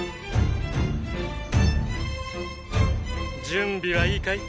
準備はいいかい？